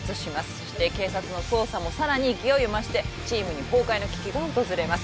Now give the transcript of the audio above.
そして警察の捜査もさらに勢いを増してチームに崩壊の危機が訪れます